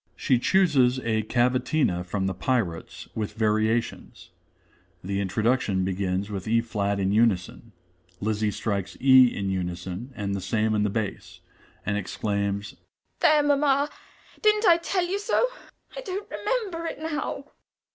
(_She chooses a cavatina from "The Pirates," with variations. The introduction begins with e flat in unison. Lizzie strikes e in unison and the same in the bass, and exclaims: "There, mamma, didn't I tell you so? I don't remember it now."